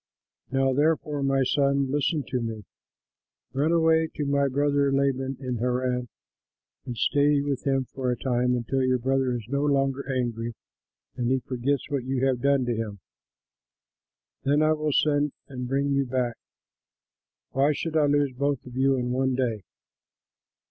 Now therefore, my son, listen to me: run away to my brother Laban at Haran and stay with him for a time until your brother is no longer angry and he forgets what you have done to him. Then I will send and bring you back. Why should I lose both of you in one day?"